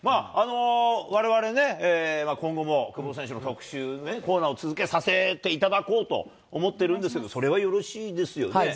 われわれね、今後も久保選手の特集コーナーを続けさせていただこうと思ってるんですけど、それはよろしいですよね？